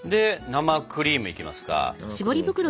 生クリームいきますか。